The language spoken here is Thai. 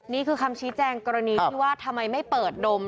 นี่คือคำชี้แจงกรณีที่ว่าทำไมไม่เปิดดม